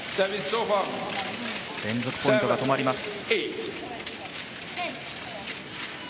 連続ポイントが止まります。